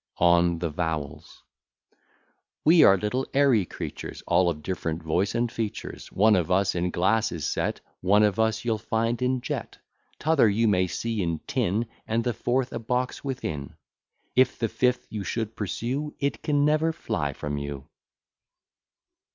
ON THE VOWELS We are little airy creatures, All of different voice and features; One of us in glass is set, One of us you'll find in jet. T'other you may see in tin, And the fourth a box within. If the fifth you should pursue, It can never fly from you.